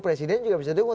presiden juga bisa dukung